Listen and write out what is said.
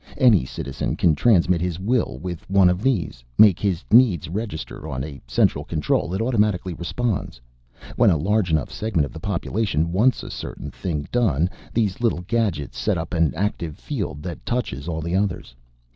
Any citizen can transmit his will with one of these, make his needs register on a central control that automatically responds. When a large enough segment of the population wants a certain thing done, these little gadgets set up an active field that touches all the others.